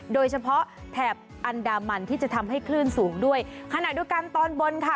แถบอันดามันที่จะทำให้คลื่นสูงด้วยขณะเดียวกันตอนบนค่ะ